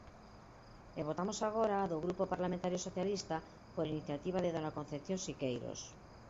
E votamos agora a do Grupo Parlamentario Socialista, por iniciativa de dona Concepción Siqueiros.